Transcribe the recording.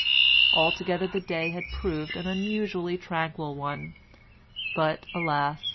Altogether the day had proved an unusually tranquil one, but, alas!